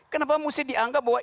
kenapa mesti dianggap bahwa